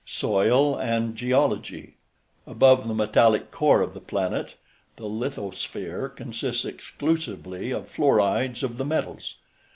SOIL AND GEOLOGY Above the metallic core of the planet, the lithosphere consists exclusively of fluorides of the metals.